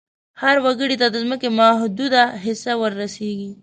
هر وګړي ته د ځمکې محدوده حصه ور رسیږي.